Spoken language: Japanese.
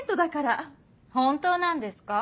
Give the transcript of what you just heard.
本当なんですか？